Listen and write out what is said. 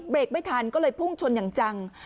ไม่ทันก็เลยพุ่งชนอย่างจัง